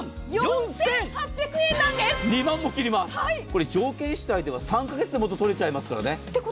これ、条件次第では３カ月でもと取れちゃいますからね